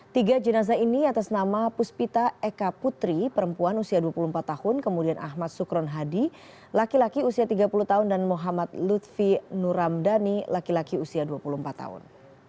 tiga jenazah ini atas nama puspita eka putri perempuan usia dua puluh empat tahun kemudian ahmad sukron hadi laki laki usia tiga puluh tahun dan muhammad lutfi nuramdani laki laki usia dua puluh empat tahun